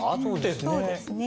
そうですね。